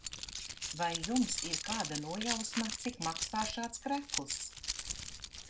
Vai jums ir kāda nojausma, cik maksā šāds krekls?